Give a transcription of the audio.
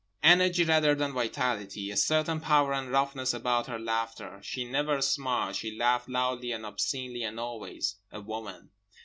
Energy rather than vitality. A certain power and roughness about her laughter. She never smiled. She laughed loudly and obscenely and always. A woman.